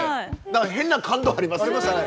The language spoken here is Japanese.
何か変な感動ありますよね。